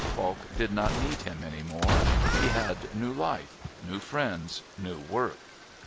Falk did not need him any more. He had new life, new friends, new work.